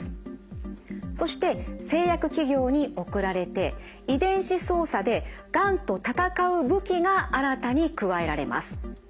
そして製薬企業に送られて遺伝子操作でがんと戦う武器が新たに加えられます。